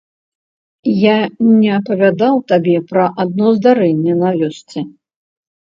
Я не апавядаў табе пра адно здарэнне на вёсцы?